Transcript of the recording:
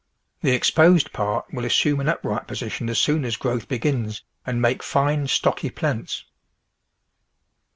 The exposed part will assume an upright position as soon as growth begins and make fine, stocky plants.